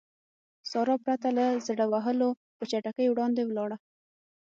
سارا پرته له زړه وهلو په چټکۍ وړاندې ولاړه.